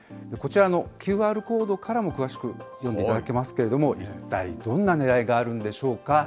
こちらのＱＲコードからも詳しく読んでいただけますけれども、一体どんなねらいがあるんでしょうか。